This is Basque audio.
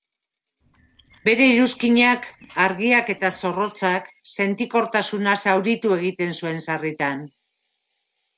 Bere iruzkinak, argiak eta zorrotzak, sentikortasuna zauritu egiten zuen sarritan.